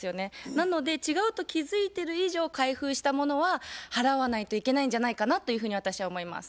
なので違うと気付いてる以上開封したものは払わないといけないんじゃないかなというふうに私は思います。